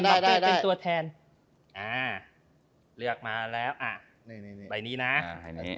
เป็นตัวแทนอ่าเลือกมาแล้วอ่าใบนี้น่ะอ่าให้นี้